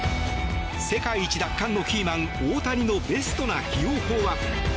世界一奪還のキーマン、大谷のベストな起用法は？